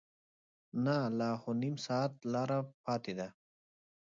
نه لا خو نیم ساعت لاره پاتې ده.